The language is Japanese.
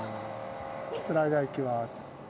スライダーいきます。